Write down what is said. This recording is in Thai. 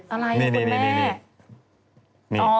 อะไรคุณแม่